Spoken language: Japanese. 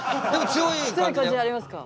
強い感じになりますか？